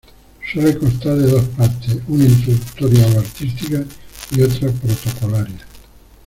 Suele constar de dos partes, una introductoria o artística y otra protocolaria.